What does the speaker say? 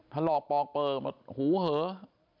พลอกปลอกเปล่าหูเหอะ